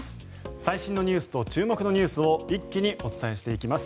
最新のニュースと注目のニュースを一気にお伝えします。